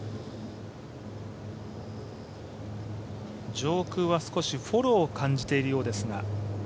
上空は少しフォローを感じているようですが。